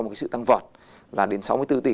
một cái sự tăng vọt là đến sáu mươi bốn tỷ